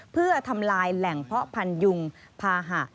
เพื่อทำลายแหล่งเพาะพันยุงภาหะ